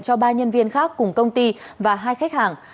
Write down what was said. cho ba nhân viên khác cùng công ty và hai khách hàng